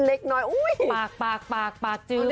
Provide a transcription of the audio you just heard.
เล็กน้อยปากปากปาก